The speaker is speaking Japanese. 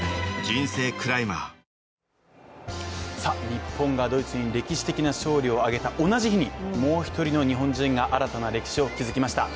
日本がドイツに歴史的な勝利を挙げた同じ日にもう１人の日本人が新たな歴史を築きました。